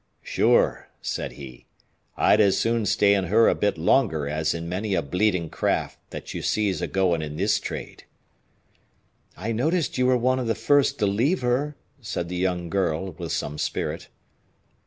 "Sure," said he; "I'd as soon stay in her a bit longer as in many a bleedin' craft that you sees a goin' in this trade." "I noticed you were one of the first to leave her," said the young girl, with some spirit.